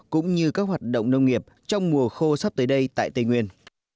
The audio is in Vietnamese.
cũng như các hoạt động nông nghiệp trong mùa khô sắp tới đây tại tây nguyên